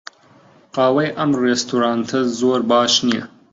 قاوەی ئەم ڕێستۆرانتە زۆر باش نییە.